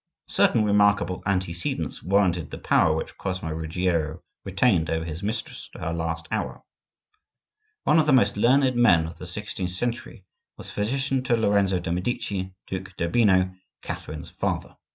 Certain remarkable antecedents warranted the power which Cosmo Ruggiero retained over his mistress to her last hour. One of the most learned men of the sixteenth century was physician to Lorenzo de' Medici, Duc d'Urbino, Catherine's father.